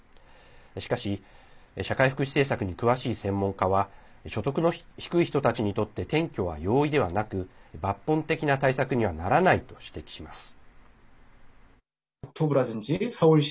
しかし社会福祉政策に詳しい専門家は所得の低い人たちにとって転居は容易ではなく抜本的な対策にはならないと指摘します。